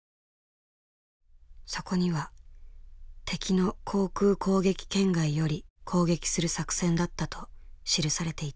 そこには敵の航空攻撃圏外より攻撃する作戦だったと記されていた。